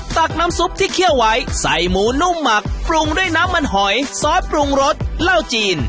ตักน้ำซุปที่เคี่ยวไว้ใส่หมูนุ่มหมักปรุงด้วยน้ำมันหอยซอสปรุงรสเหล้าจีน